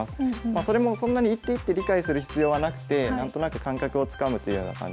それもそんなに一手一手理解する必要はなくて何となく感覚をつかむというような感じで。